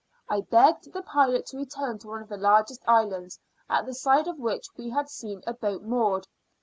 I begged the pilot to return to one of the largest islands, at the side of which we had seen a boat moored.